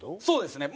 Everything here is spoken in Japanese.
そうです